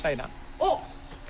あっ！